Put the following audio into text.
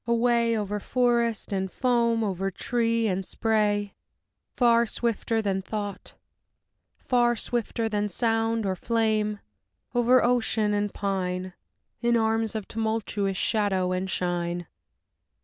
Away, over forest and foam, over tree and spray, Far swifter than thought, far swifter than sound or than flame; Over ocean and pine, In arms of tumultuous shadow and shine.